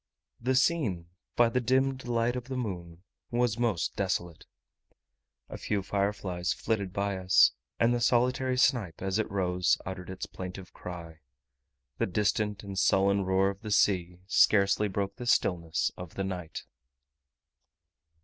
The scene by the dimmed light of the moon was most desolate. A few fireflies flitted by us; and the solitary snipe, as it rose, uttered its plaintive cry. The distant and sullen roar of the sea scarcely broke the stillness of the night.